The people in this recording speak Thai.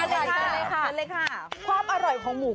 ลูกค้ามามันหมด